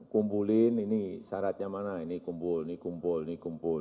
kumpulin ini syaratnya mana ini kumpul ini kumpul ini kumpul